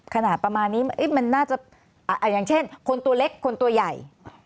ขนาดประมาณนี้มันน่าจะอย่างเช่นคนตัวเล็กคนตัวใหญ่